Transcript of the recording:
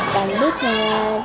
rồi còn biết nghe còn